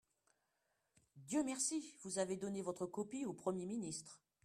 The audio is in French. Dieu merci, vous avez donné votre copie au Premier ministre.